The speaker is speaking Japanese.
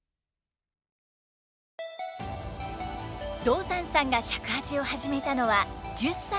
道山さんが尺八を始めたのは１０歳の頃。